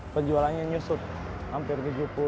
penjualannya nyusut hampir tujuh puluh